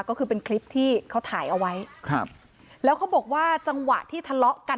ก็คือเป็นคลิปที่เขาถ่ายเอาไว้ครับแล้วเขาบอกว่าจังหวะที่ทะเลาะกัน